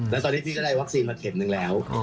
แล้วตอนนี้พี่ก็ได้วัคซีนมาเข็มนึงแล้ว